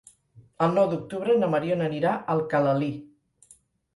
El nou d'octubre na Mariona anirà a Alcalalí.